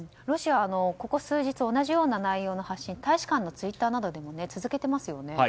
ロシア、ここ数日同じような内容の発信を大使館のツイッターなどで続けていますよね。